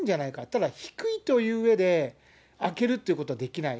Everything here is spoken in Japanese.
ただ、低いといううえで、開けるってことはできない。